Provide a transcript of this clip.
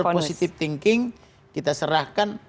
kita berpositif thinking kita serahkan